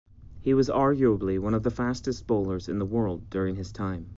He was arguably one of the fastest bowlers in the world during his time.